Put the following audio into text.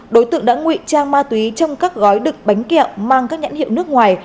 đối tượng đã ngụy trang ma túy trong các gói đực bánh kẹo mang các nhãn hiệu nước ngoài